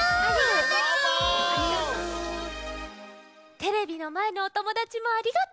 テレビのまえのおともだちもありがとう。